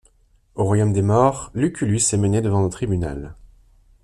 Au royaume des morts, Lucullus est mené devant un tribunal.